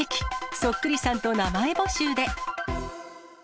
そっくりさんと名前募集で。